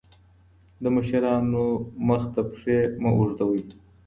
د مشرانو مخې ته پښې مه اوږدوئ.